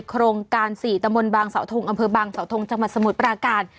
โครงการ๔ตะมนต์บางเสาทงอำเภอบางสาวทงจังหวัดสมุทรปราการ